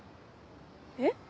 えっ？